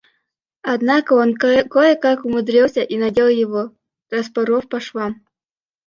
Однако он кое-как умудрился и надел его, распоров по швам.